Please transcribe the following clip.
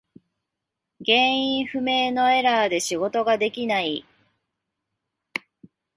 原因不明のエラーで仕事ができない。